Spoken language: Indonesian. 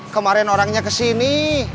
kemarin orangnya kesini